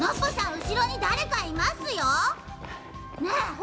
うしろにだれかいますよ。ねえほら。